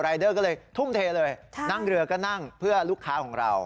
เดอร์ก็เลยทุ่มเทเลยนั่งเรือก็นั่งเพื่อลูกค้าของเรา